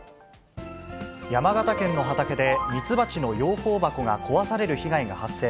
山形県の畑で、蜜蜂の養蜂箱が壊される被害が発生。